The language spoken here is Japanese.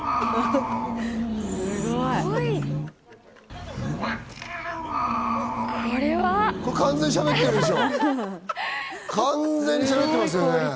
すごい！これ完全にしゃべってますよね。